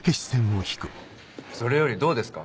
それよりどうですか？